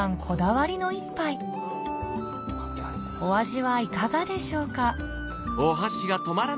こだわりの一杯お味はいかがでしょうか？